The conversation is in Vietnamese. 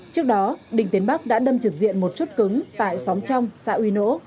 trước đó đinh tiến bắc đã đâm trực diện một chốt cứng tại xóm trong xã uy nỗ